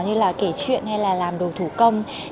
như kể chuyện hay làm đồ thủ công